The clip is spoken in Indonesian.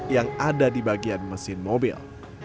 yang ada di bagian mesin mobil